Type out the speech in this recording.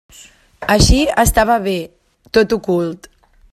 Així estava bé: tot ocult.